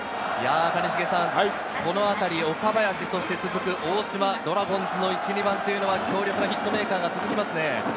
谷繁さん、このあたり岡林、そして続く大島、ドラゴンズの１・２番というのは強力なヒットメーカーが続きますね。